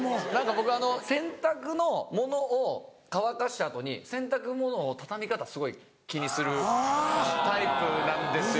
僕洗濯のものを乾かした後に洗濯物を畳み方すごい気にするタイプなんですよ。